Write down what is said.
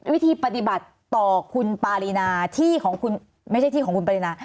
วิธีปฏิบัติต่อคุณปารีนาที่ของคุณไม่ใช่ที่ของคุณปรินา